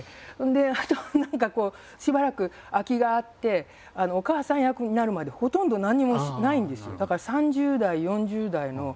であとは何かこうしばらく空きがあってお母さん役になるまでほとんど何にもないんですよ。